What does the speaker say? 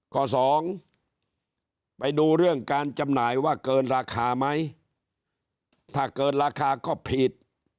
สองไปดูเรื่องการจำหน่ายว่าเกินราคาไหมถ้าเกินราคาก็ผิด